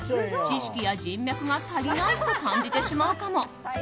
知識や人脈が足りないと感じてしまうかも。